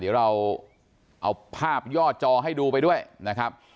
เดี๋ยวเราเอาภาพย่อจอให้ดูไปด้วยนะครับ